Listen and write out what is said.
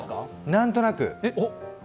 何となく。